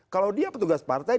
kalau dia petugas partai